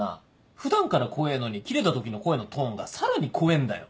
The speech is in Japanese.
普段から怖えぇのにキレた時の声のトーンがさらに怖えぇんだよ。